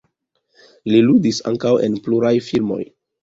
Li ludis ankaŭ en pluraj filmoj.